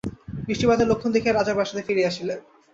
বৃষ্টিপাতের লক্ষণ দেখিয়া রাজা প্রাসাদে ফিরিয়া আসিলেন।